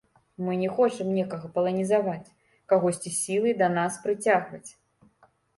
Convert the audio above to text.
Мы не хочам некага паланізаваць, кагосьці сілай да нас прыцягваць.